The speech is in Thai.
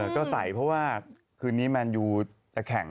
ก็ใส่เพราะว่าคืนนี้แมนยูจะแข่ง